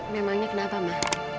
memangnya kenapa ma